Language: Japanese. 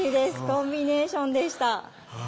コンビネーションでした。